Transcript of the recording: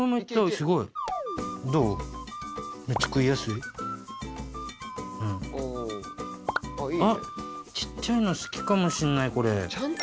すごい。あっ小っちゃいの好きかもしんないこれ。